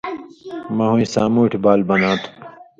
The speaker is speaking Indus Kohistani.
مہ ہُویں سامُوٹھھیۡ بال بناتُھو